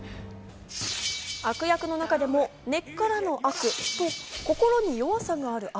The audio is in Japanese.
悪役の中でも根っからの悪と心に弱さがある悪。